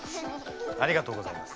ありがとうございます。